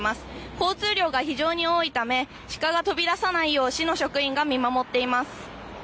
交通量が非常に多いため鹿が飛び出さないよう市の職員が見守っています。